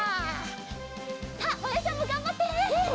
さあまやちゃんもがんばって！